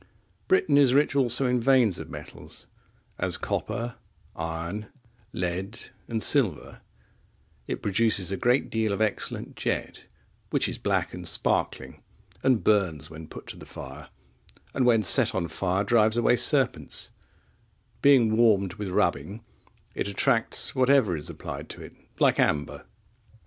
Britain is rich also in veins of metals, as copper, iron, lead, and silver; it produces a great deal of excellent jet, which is black and sparkling, and burns when put to the fire, and when set on fire, drives away serpents; being warmed with rubbing, it attracts whatever is applied to it, like amber.